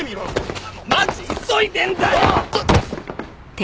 マジ急いでるんだよ！